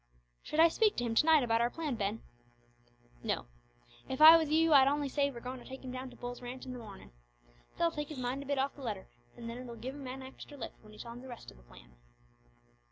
"Should I speak to him to night about our plan, Ben?" "No. If I was you I'd only say we're goin' to take him down to Bull's ranch i' the mornin'. That'll take his mind a bit off the letter, an' then it'll give him an extra lift when you tell him the rest o' the plan."